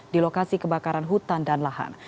di lokasi kebakaran hutan dan lahan